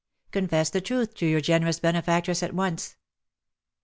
Confess the truth to your generous benefactress at once."